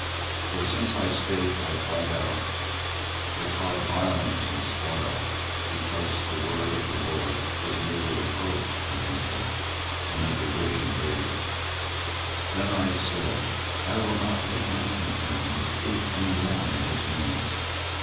24:020:008 For since I spake, I cried out, I cried violence and spoil; because the word of the LORD was made a reproach unto me, and a derision, daily. 24:020:009 Then I said, I will not make mention of him, nor speak any more in his name.